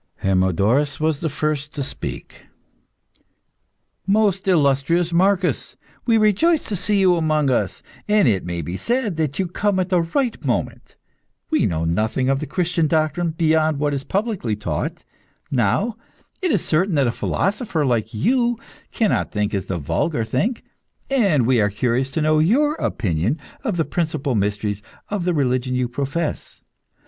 Hermodorus was the first to speak. "Most illustrious Marcus, we rejoice to see you amongst us, and it may be said that you come at the right moment. We know nothing of the Christian doctrine, beyond what is publicly taught. Now, it is certain that a philosopher, like you, cannot think as the vulgar think, and we are curious to know your opinion of the principal mysteries of the religion you profess.